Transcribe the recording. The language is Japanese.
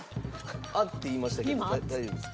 「あっ」って言いましたけど大丈夫ですか？